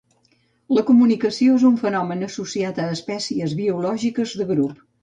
La comunicació és un fenomen associat a espècies biològiques de grup.